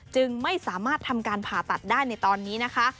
จึงไม่สามารถทำการผ่าตัดได้ในตอนนี้นะคะ